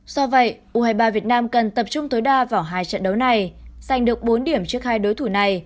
do vậy u hai mươi ba việt nam cần tập trung tối đa vào hai trận đấu này giành được bốn điểm trước hai đối thủ này